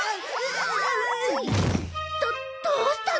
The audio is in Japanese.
どどうしたの？